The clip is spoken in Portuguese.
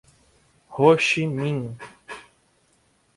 Ho Chi Minh